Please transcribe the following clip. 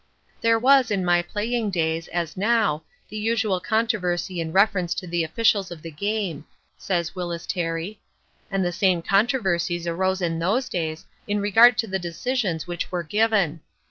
"There was, in my playing days, as now, the usual controversy in reference to the officials of the game," says Wyllys Terry, "and the same controversies arose in those days in regard to the decisions which were given.